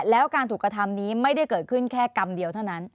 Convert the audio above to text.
แล้วการถูกกระทำนี้ไม่ได้เกิดขึ้นแค่กรรมเดียวเท่านั้น